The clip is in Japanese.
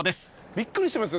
びっくりしてます